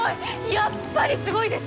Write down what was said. やっぱりすごいです！